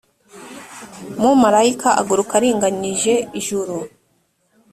mumarayika aguruka aringanije ijuru